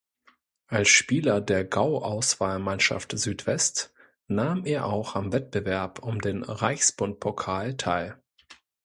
Als Spieler der Gauauswahlmannschaft Südwest nahm er auch am Wettbewerb um den Reichsbundpokal teil.